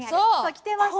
来てますよ。